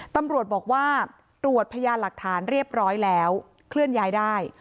ตำรวจบอกว่าตรวจพยานหลักฐานเรียบร้อยแล้วเคลื่อนย้ายได้